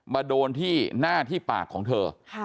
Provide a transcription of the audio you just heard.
มาโดนที่หน้าที่ปากของเธอ